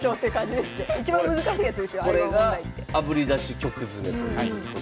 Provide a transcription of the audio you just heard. これがあぶり出し曲詰ということでございます。